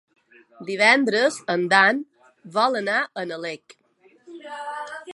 Divendres en Dan vol anar a Nalec.